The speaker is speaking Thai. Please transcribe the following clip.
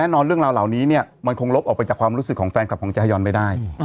แน่นอนเรื่องราวเหล่านี้มันคงลบออกไปจากความรู้สึกของแฟนคลับของจายอนไม่ได้